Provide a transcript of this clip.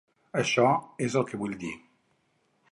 Això és el que vull dir!